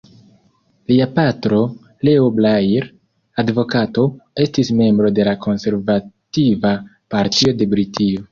Lia patro, Leo Blair, advokato, estis membro de la Konservativa Partio de Britio.